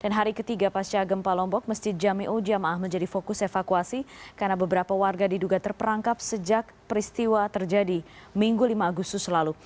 dan hari ketiga pasca gempa lombok masjid jami'udjama'ah menjadi fokus evakuasi karena beberapa warga diduga terperangkap sejak peristiwa terjadi minggu lima agustus lalu